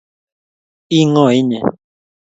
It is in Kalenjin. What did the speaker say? ii ngo nye